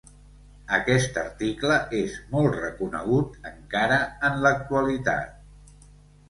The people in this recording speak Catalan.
Aquest article és molt reconegut encara en l'actualitat.